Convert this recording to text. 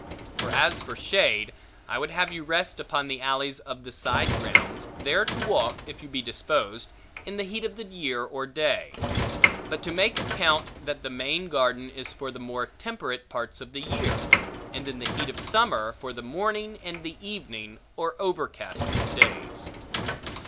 For as for shade, I would have you rest upon the alleys of the side grounds, there to walk, if you be disposed, in the heat of the year or day; but to make account, that the main garden is for the more temperate parts of the year; and in the heat of summer, for the morning and the evening, or overcast days.